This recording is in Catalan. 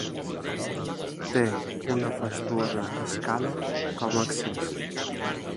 Té una fastuosa escala com a accés.